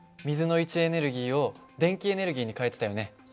水の位置エネルギーを電気エネルギーに変えてたよね。